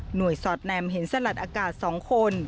โดยสอดแนมเห็นสลัดอากาศ๒คน